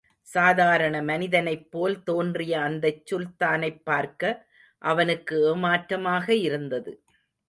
சாதாரண மனிதனைப் போல் தோன்றிய அந்தச் சுல்தானைப் பார்க்க அவனுக்கு ஏமாற்றமாக இருந்தது.